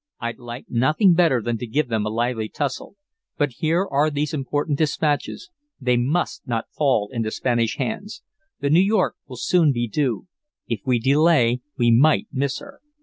"I'd like nothing better than to give them a lively tussle. But here are these important dispatches. They must not fall into Spanish hands. The New York will soon be due. If we delay we might miss her."